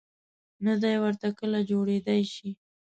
نه دای ورته کله جوړېدای شي.